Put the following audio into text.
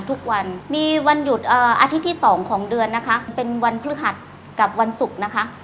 ทุกวันมีวันหยุดอาทิตย์ที่๒ของเดือนนะคะเป็นวันพฤหัสกับวันศุกร์นะคะ